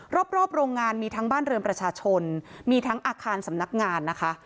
รอบโรงงานมีทั้งบ้านเรือนประชาชนมีทั้งอาคารสำนักงานนะคะ